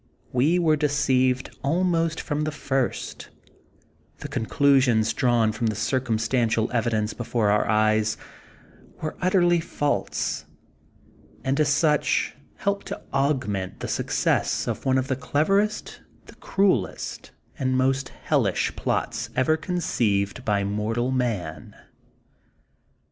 We were deceived almost from the first; the conclusions drawn from the cir cumstantial evidence before our eyes were utterly false, and as such, helped to aug ment the success of one of the cleverest, the cruellest, and most hellish plots ever conceived by mortal man.